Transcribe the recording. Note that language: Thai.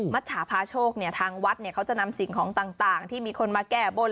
มัชฉาพาโชคเนี่ยทางวัดเนี่ยเขาจะนำสิ่งของต่างที่มีคนมาแก้บน